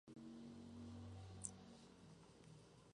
Regresó a la alineación el día siguiente.